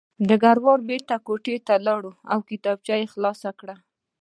ډګروال بېرته کوټې ته لاړ او کتابچه یې خلاصه کړه